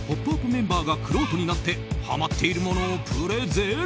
メンバーがくろうとになってハマっているものをプレゼン！